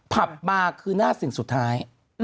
ผับมาคือหน้าสิ่งสุดท้าย